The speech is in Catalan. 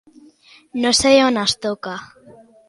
No saber on es toca.